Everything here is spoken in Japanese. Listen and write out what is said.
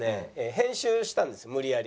編集したんです無理やり。